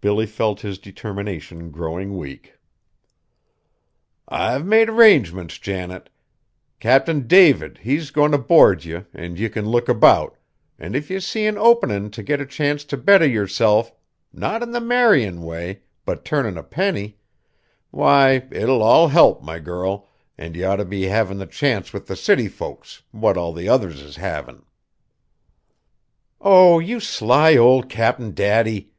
Billy felt his determination growing weak. "I've made 'rangements, Janet; Cap'n David he's goin' to board ye, an' ye can look about, an' if ye see an openin' t' get a chance t' better yerself not in the marryin' way, but turnin' a penny why it will all help, my girl, an' ye ought t' be havin' the chance with the city folks, what all the others is havin'." "Oh! you sly old Cap'n Daddy!